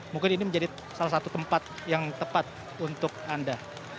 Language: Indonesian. mungkin ini menjadi salah satu tempat yang tepat untuk anda